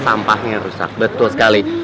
sampahnya rusak betul sekali